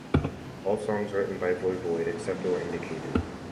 All songs written by Voivod, except where indicated.